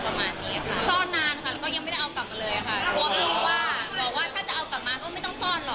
กลัวพี่ว่าบอกว่าถ้าจะเอากลับมาก็ไม่ต้องซ่อนหรอกอะไรอย่างนี้